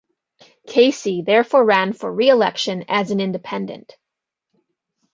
Casey therefore ran for re-election as an independent.